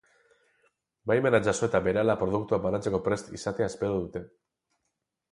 Baimena jaso eta berehala produktua banatzeko prest izatea espero dute.